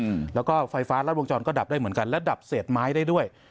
อืมแล้วก็ไฟฟ้ารัดวงจรก็ดับได้เหมือนกันและดับเศษไม้ได้ด้วย